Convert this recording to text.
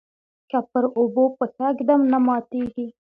که پر اوبو پښه ږدم نه ماتیږي.